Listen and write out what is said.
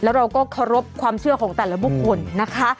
แล้วเราก็เคารพความเชื่อของแต่ละบุคคลนะคะ